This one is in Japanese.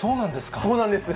そうなんです。